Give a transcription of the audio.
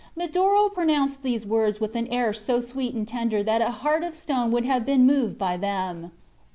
Medoro pronounced these words with an air so sweet and tender that a heart of stone would have been moved by them.